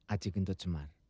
aji kentut semar